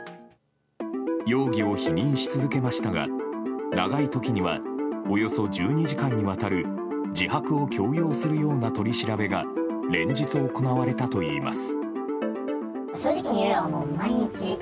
容疑を否認し続けましたが長い時にはおよそ１２時間にわたる自白を強要するような取り調べが連日行われたといいます。